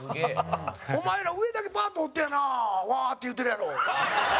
お前ら、上だけバーッと掘ってやなうわーって言ってるやろ。